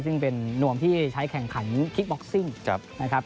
ซึ่งเป็นนวมที่ใช้แข่งขันคิกบ็อกซิ่งนะครับ